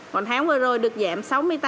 còn tháng vừa rồi được giảm sáu mươi tám